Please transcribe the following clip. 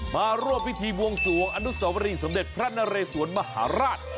มาร่วมพิธีบวงสวงอนุสวรีสมเด็จพระนเรสวนมหาราช